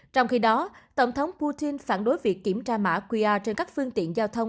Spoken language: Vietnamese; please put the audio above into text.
trong khi đó tổng thống putin phản đối việc kiểm tra mã qr trên các phương tiện giao thông